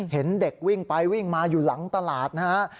เห็นเด็กวิ่งไปวิ่งมาอยู่หลังตลาดนะฮะ